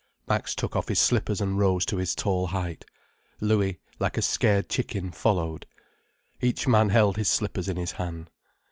Max took off his slippers and rose to his tall height. Louis, like a scared chicken, followed. Each man held his slippers in his hand.